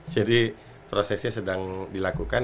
jadi prosesnya sedang dilakukan